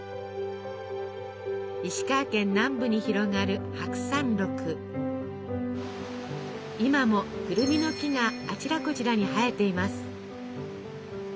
石川県南部に広がる今もくるみの木があちらこちらに生えています。